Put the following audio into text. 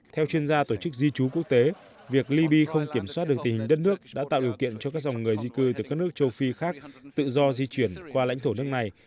trong đó việc liby không kiểm soát được tình hình đất nước đã tạo điều kiện cho các dòng người di cư từ các nước châu phi khác tự do di chuyển qua lãnh thổ nước này